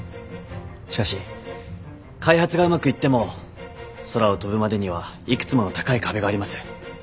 しかし開発がうまくいっても空を飛ぶまでにはいくつもの高い壁があります。